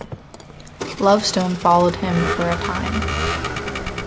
Lovestone followed him for a time.